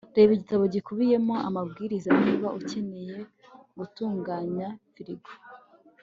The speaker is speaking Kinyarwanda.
reba igitabo gikubiyemo amabwiriza niba ukeneye gutunganya firigo